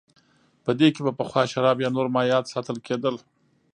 په دې کې به پخوا شراب یا نور مایعات ساتل کېدل